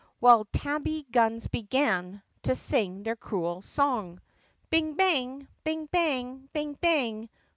While tabby guns began To sing their cruel song! Bing! bang! bing! bang! bing! bang!